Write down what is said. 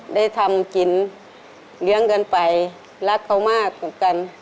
ได้ทำกินเลี้ยงกันไปรักเขามากกว่ากัน